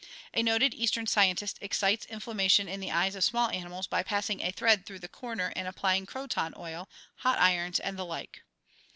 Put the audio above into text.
A noted Eastern scientist excites inflammation in the eyes of small animals by passing a thread through the corner and applying croton oil, hot irons and the like.